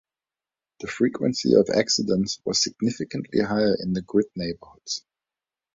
The frequency of accidents was significantly higher in the grid neighbourhoods.